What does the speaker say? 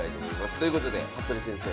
ということで服部先生